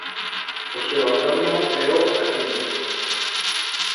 O seu antónimo é o asíndeto.